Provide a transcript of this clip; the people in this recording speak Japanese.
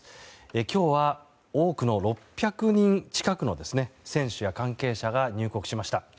今日は多くの６００人近くの選手や関係者が入国しました。